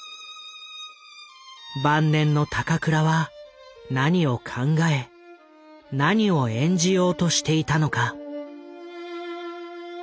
晩年の高倉は何を考え何を演じようとしていたのか。